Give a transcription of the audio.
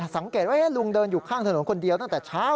สังเกตว่าลุงเดินอยู่ข้างถนนคนเดียวตั้งแต่เช้า